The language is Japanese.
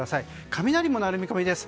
雷も鳴る見込みです。